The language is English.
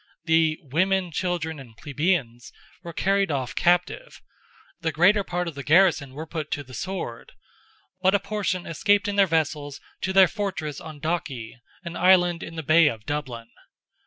The "women, children, and plebeians," were carried off captive; the greater part of the garrison were put to the sword; but a portion escaped in their vessels to their fortress on Dalkey, an island in the bay of Dublin.